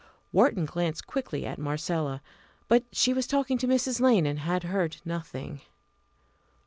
Wharton glanced quickly at Marcella. But she was talking to Mrs. Lane, and had heard nothing.